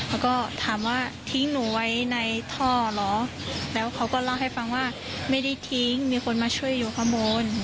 แล้วก็ถามว่าทิ้งหนูไว้ในท่อเหรอแล้วเขาก็เล่าให้ฟังว่าไม่ได้ทิ้งมีคนมาช่วยอยู่ขโมย